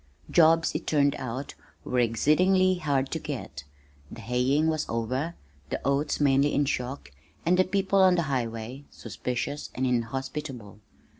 Jobs, it turned out, were exceedingly hard to get. The haying was over, the oats mainly in shock, and the people on the highway suspicious and inhospitable.